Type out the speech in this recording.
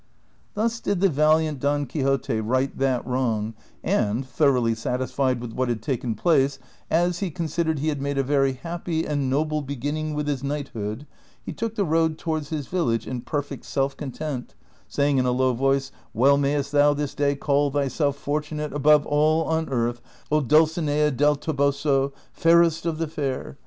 Thus did the valiant Don Quixote right that wrong, and, thoroughly satisiied with what had taken place, as he consid ered he had made a very happy and noble beginning with his knighthood, he took the road towards his village in perfect self content, saying in a low voice, " AVell mayest thou this day call thyself fortunate above all on earth, 0 Dulcinea del Toboso, fairest of the fair